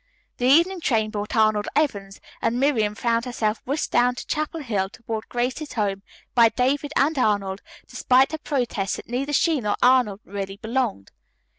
The evening train brought Arnold Evans, and Miriam found herself whisked down Chapel Hill toward Grace's home by David and Arnold despite her protests that neither she nor Arnold really belonged.